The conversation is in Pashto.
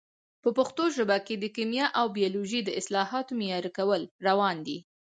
په پښتو ژبه کې د کیمیا او بیولوژي د اصطلاحاتو معیاري کول روان دي.